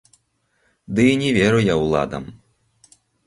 Ды і не веру я ўладам.